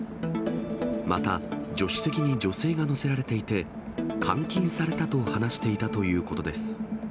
また、助手席に女性が乗せられていて、監禁されたと話していたということです。